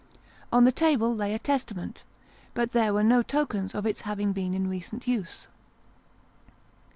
On the table lay a testament, but there were no tokens of its having been in recent use.